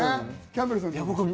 キャンベルさんは？